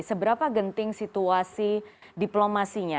seberapa genting situasi diplomasinya